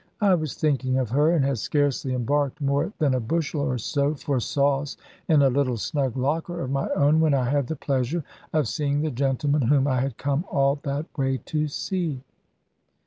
I was thinking of her, and had scarcely embarked more than a bushel or so, for sauce, in a little snug locker of my own, when I had the pleasure of seeing the gentleman whom I had come all that way to see.